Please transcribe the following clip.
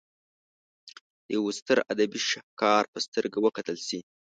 د یوه ستر ادبي شهکار په سترګه وکتل شي.